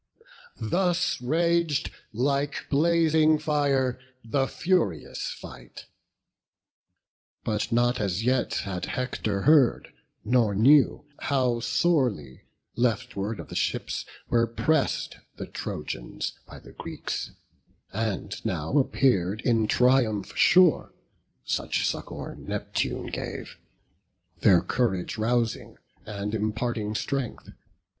Thus rag'd, like blazing fire, the furious fight. But nought as yet had Hector heard, nor knew How sorely, leftward of the ships, were press'd The Trojans by the Greeks; and now appear'd Their triumph, sure; such succour Neptune gave, Their courage rousing, and imparting strength.